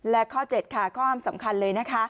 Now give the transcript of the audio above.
และข้อเจ็ดค่ะข้ออ้างสำคัญเลย